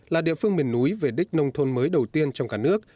là địa phương miền núi về đích nông thôn mới đầu tiên trong cả nước